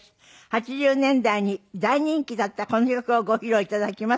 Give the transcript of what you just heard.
８０年代に大人気だったこの曲をご披露頂きます。